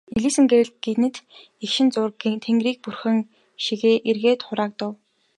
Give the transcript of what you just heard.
Нэлийсэн гэрэл гэнэт эгшин зуур тэнгэрийг бүрхсэн шигээ эргээд хураагдав.